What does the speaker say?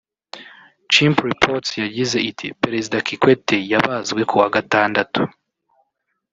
Chimpreports yagize iti “Perezida Kikwete yabazwe ku wa Gatandatu